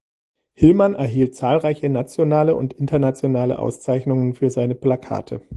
Hillmann erhielt zahlreiche nationale und internationale Auszeichnungen für seine Plakate.